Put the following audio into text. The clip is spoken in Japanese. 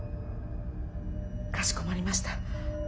かしこまりました。